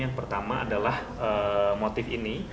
yang pertama adalah motif ini